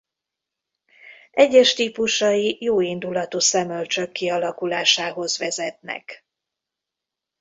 Egyes típusai jóindulatú szemölcsök kialakulásához vezetnek.